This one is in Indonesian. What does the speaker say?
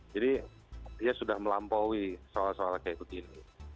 jadi dia sudah melampaui soal soal kayak begini